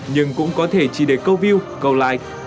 nhưng cũng có thể chỉ để câu view câu like